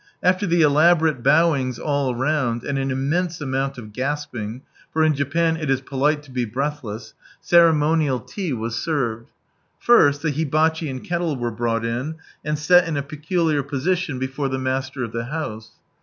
After tbe elaborate bowings all round, and an immense amount of gasping — for in Japan it is polite lo be breathless— ceremonial tea was served. First, the bibacbi and kettle were brought in, and set in a peculiar position before the master of Ihe house.